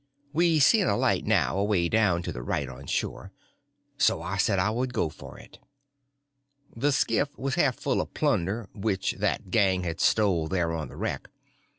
We seen a light now away down to the right, on shore. So I said I would go for it. The skiff was half full of plunder which that gang had stole there on the wreck.